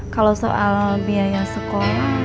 kalau soal biaya sekolah